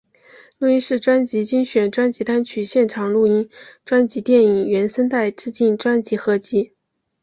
录音室专辑精选专辑单曲现场录音专辑电影原声带致敬专辑合辑